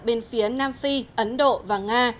bên phía nam phi ấn độ và nga